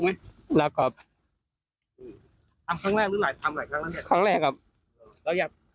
มีครั้งเลยไม่ทันเลย